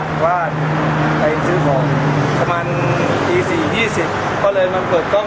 ที่เราไม่รู้มันในสิ่งที่จะเคยถูกแสดง